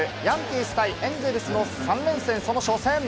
ヤンキース対エンゼルスの三連戦、その初戦。